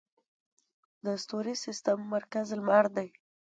د ستوریز سیستم مرکز لمر دی